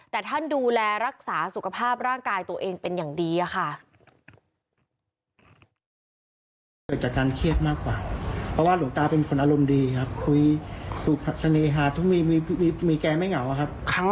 แต่ท่านดูแลรักษาสุขภาพร่างกายตัวเองเป็นอย่างดีค่ะ